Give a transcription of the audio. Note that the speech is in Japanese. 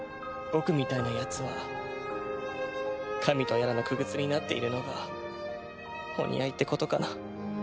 僕みたいなやつは神とやらの傀儡になっているのがお似合いってことかな。